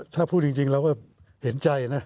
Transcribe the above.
ถ้าพูดจริงแล้วว่าเห็นใจนะ